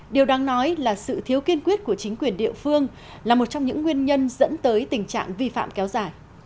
điều đáng nói là sự thiếu kiên quyết của chính quyền địa phương là một trong những nguyên nhân dẫn tới tình trạng vi phạm kéo dài